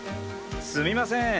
すみません。